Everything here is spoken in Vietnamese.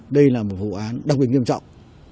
đây là một vụ án đặc biệt nghiêm trọng